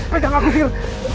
pegang aku sir